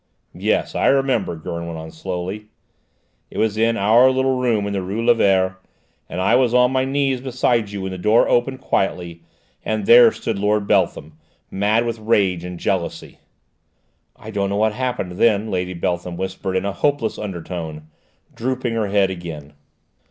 "Yes, I remember," Gurn went on slowly: "it was in our little room in the rue Lévert, and I was on my knees beside you when the door opened quietly, and there stood Lord Beltham, mad with rage and jealousy!" "I don't know what happened then," Lady Beltham whispered in a hopeless undertone, drooping her head again.